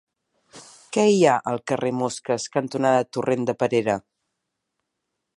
Què hi ha al carrer Mosques cantonada Torrent de Perera?